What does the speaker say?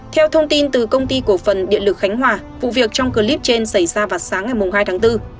theo thông tin từ công ty cổ phần điện lực khánh hòa vụ việc trong clip trên xảy ra vào sáng ngày hai tháng bốn